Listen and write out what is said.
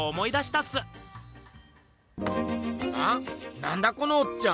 なんだこのおっちゃん。